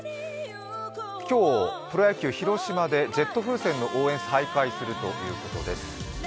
今日、プロ野球広島でジェット風船の応援を再開するということです。